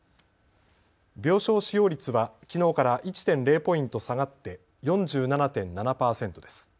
病床使用率はきのうから１．０ポイント下がって４７．７％です。